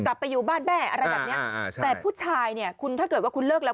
กลับไปอยู่บ้านแม่อะไรแบบเนี้ยอ่าใช่แต่ผู้ชายเนี่ยคุณถ้าเกิดว่าคุณเลิกแล้ว